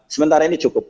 sementara ini cukup